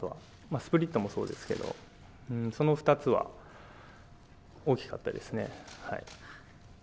スプリットもそうですけど、その２つは大きかったですね、はい。